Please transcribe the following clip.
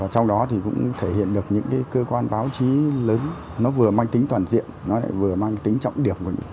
trong đó cũng thể hiện được những cơ quan báo chí lớn vừa mang tính toàn diện vừa mang tính trọng điểm